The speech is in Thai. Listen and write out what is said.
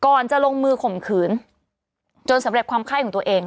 จะลงมือข่มขืนจนสำเร็จความไข้ของตัวเอง